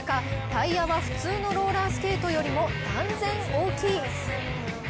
タイヤは普通のローラースケートよりも断然大きい。